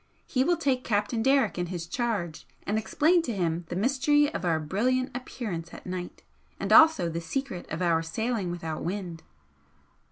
He will take Captain Derrick in his charge and explain to him the mystery of our brilliant appearance at night, and also the secret of our sailing without wind."